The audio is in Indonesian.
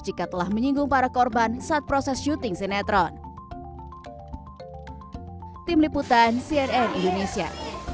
jika telah menyinggung para korban saat proses syuting sinetron tim liputan cnn indonesia